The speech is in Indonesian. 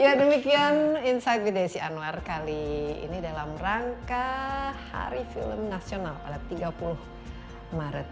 ya demikian insight with desi anwar kali ini dalam rangka hari film nasional pada tiga puluh maret